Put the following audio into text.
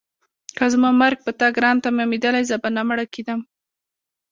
که زما مرګ په تا ګران تمامېدلی زه به نه مړه کېدم.